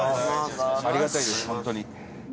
ありがたいです、本当に。